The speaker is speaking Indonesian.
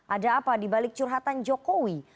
ada apa dibalik curhatan jokowi